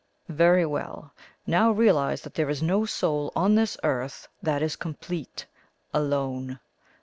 "Very well. Now realize that there is no soul on this earth that is complete, ALONE.